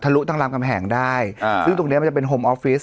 ลุทางรามกำแหงได้อ่าซึ่งตรงเนี้ยมันจะเป็นโฮมออฟฟิศ